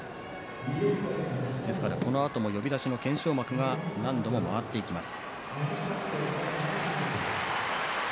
ですからこのあとも呼出しの懸賞幕が何度も回ってきます。